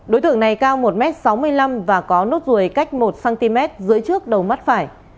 đối tượng này cao một m sáu mươi năm và có nốt ruồi cách một cm dưới trước đầu mắt phải